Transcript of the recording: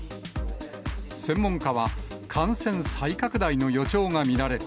専門家は、感染再拡大の予兆が見られる。